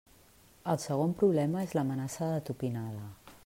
El segon problema és l'amenaça de tupinada.